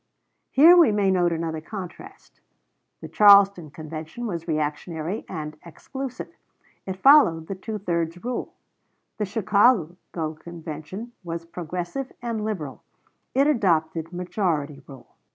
Here we may note another contrast. The Charleston Convention was reactionary and exclusive; it followed the two thirds rule. The Chicago Convention was progressive and liberal; it adopted majority rule.